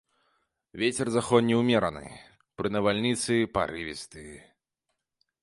Вецер заходні ўмераны, пры навальніцы парывісты.